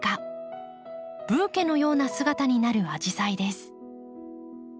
ブーケのような姿になるアジサイです。